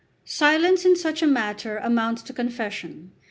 Silence in such a matter amounts to confession.